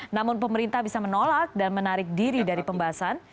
namun pemerintah bisa menolak dan menarik diri dari pembahasan